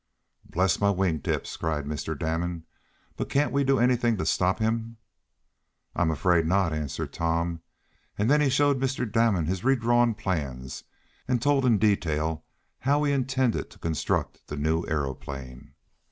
"Bless my wing tips!" cried Mr. Damon. "But can't we do anything to stop him?" "I'm afraid not," answered Tom; and then he showed Mr. Damon his re drawn plans, and told in detail of how he intended to construct the new aeroplane.